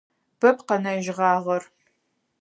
Бэп къэнэжьыгъагъэр.